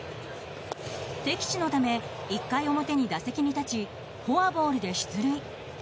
敵地のため、１回表に打席に立ちフォアボールで出塁。